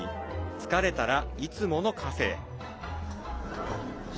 疲れたら、いつものカフェへ。